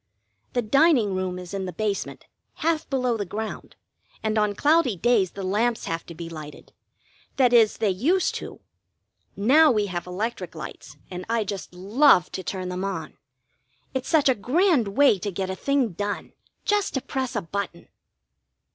The dining room is in the basement, half below the ground, and on cloudy days the lamps have to be lighted that is, they used to. Now we have electric lights, and I just love to turn them on. It's such a grand way to get a thing done, just to press a button.